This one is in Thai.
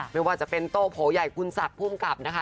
ไม่ว่าจะเป็นโตโผอย่ายคุณสัตว์ภูมิกับนะคะ